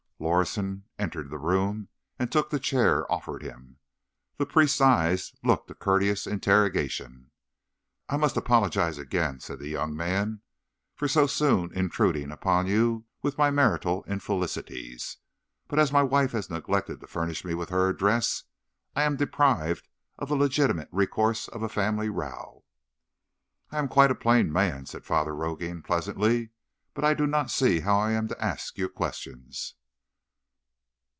Lorison entered the room and took the chair offered him. The priest's eyes looked a courteous interrogation. "I must apologize again," said the young man, "for so soon intruding upon you with my marital infelicities, but, as my wife has neglected to furnish me with her address, I am deprived of the legitimate recourse of a family row." "I am quite a plain man," said Father Rogan, pleasantly; "but I do not see how I am to ask you questions."